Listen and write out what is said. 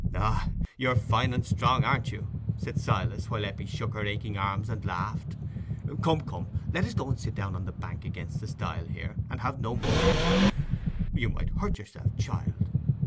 "Ah, you're fine and strong, aren't you?" said Silas, while Eppie shook her aching arms and laughed. "Come, come, let us go and sit down on the bank against the stile there, and have no more lifting. You might hurt yourself, child.